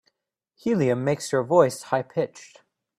Helium makes your voice high pitched.